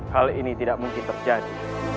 hal ini tidak mungkin terjadi